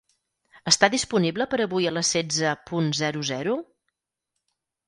Està disponible per avui a les setze punt zero zero?